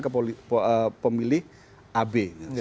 ke pemilih ab